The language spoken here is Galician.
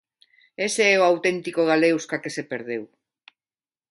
Ese é o auténtico Galeusca que se perdeu.